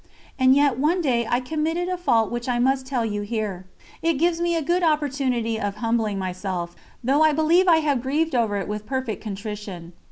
And yet one day I committed a fault which I must tell you here it gives me a good opportunity of humbling myself, though I believe I have grieved over it with perfect contrition.